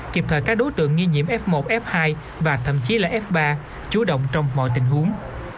kịp thời các đối tượng nghi nhiễm f một f hai và thậm chí là f ba chú động trong mọi tình huống